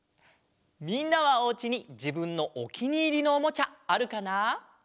みんなはおうちにじぶんのおきにいりのおもちゃあるかな？